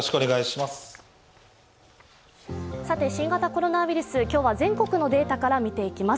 新型コロナウイルス、今日は全国のデータから見ていきます。